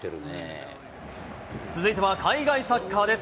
続いては海外サッカーです。